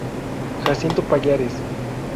Jacinto Pallares.